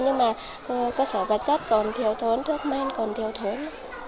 nhưng mà cơ sở vật chất còn thiếu thốn thuốc men còn thiếu thốn